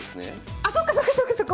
あそっかそっかそっかそっか！